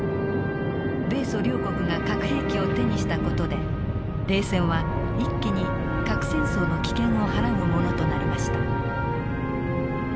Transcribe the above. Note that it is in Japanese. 米ソ両国が核兵器を手にした事で冷戦は一気に核戦争の危険をはらむものとなりました。